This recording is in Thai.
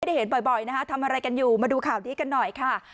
ได้เห็นบ่อยนะคะทำอะไรกันอยู่มาดูข่าวนี้กันหน่อยค่ะ